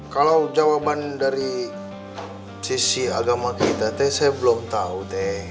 kalau jawaban dari sisi agama kita teh saya belum tahu